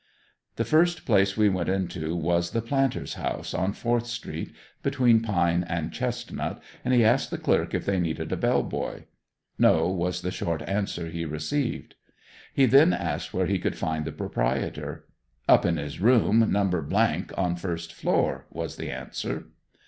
The first place we went into was the Planters' House, on Fourth street, between Pine and Chestnut, and he asked the clerk if they needed a bell boy. "No," was the short answer he received. He then asked where he could find the proprietor. "Up in his room, No. . on first floor," was the answer.